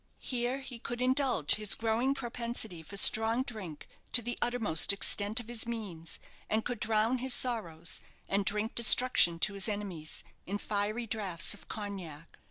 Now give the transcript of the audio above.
Here he could indulge his growing propensity for strong drink to the uttermost extent of his means, and could drown his sorrows, and drink destruction to his enemies, in fiery draughts of cognac.